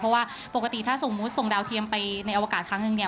เพราะว่าปกติถ้าสมมุติส่งดาวเทียมไปในอวกาศครั้งหนึ่งเนี่ย